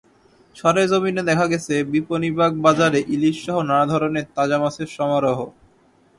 সরেজমিনে দেখা গেছে, বিপণিবাগ বাজারে ইলিশসহ নানা ধরনের তাজা মাছের সমারোহ।